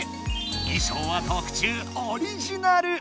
衣装は特注オリジナル！